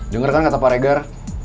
jenggerkan kata pak regar